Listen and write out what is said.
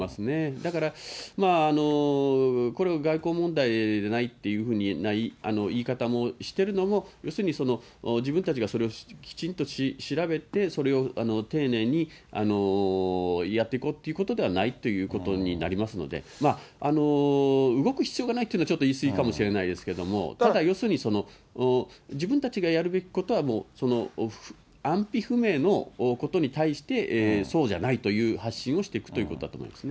だから、これ外交問題じゃないっていうふうな言い方もしてるのも、要するに、自分たちがそれをきちんと調べて、それを丁寧にやっていこうということではないということになりますので、動く必要がないっていうのは、ちょっと言い過ぎかもしれないですけども、ただ、要するに、自分たちがやるべきことは、もうその安否不明のことに対して、そうじゃないという発信をしていくということだと思いますね。